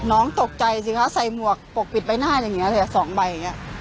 น้องตกใจสิค่ะใส่หมวกปกปิดไปหน้าแหละสองใบอย่างเงี้ย